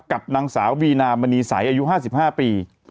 กับนางสาววีนาบรรณีสายอายุ๕๕ปี